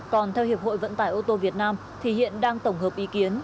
còn theo hiệp hội vận tải ô tô việt nam thì hiện đang tổng hợp ý kiến